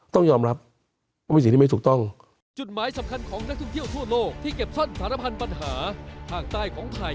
ต้องยอมรับว่าเป็นสิ่งที่ไม่ถูกต้อง